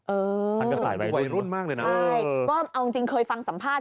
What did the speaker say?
เออวัยรุ่นมากเลยนะใช่เอาจริงเคยฟังสัมภาษณ์